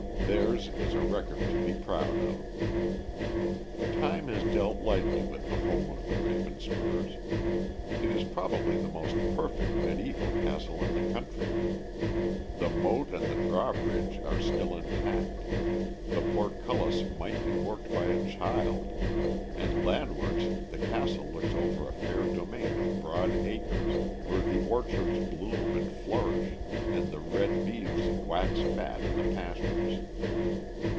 Theirs is a record to be proud of. Time has dealt lightly with the home of the Ravenspurs. It is probably the most perfect mediæval castle in the country. The moat and the drawbridge are still intact; the portcullis might be worked by a child. And landwards the castle looks over a fair domain of broad acres where the orchards bloom and flourish and the red beeves wax fat in the pastures.